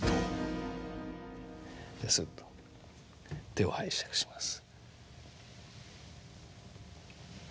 すっと手を拝借します。